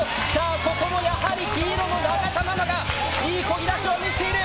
ここもやはり黄色の永田ママがいいこぎ出しを見せている！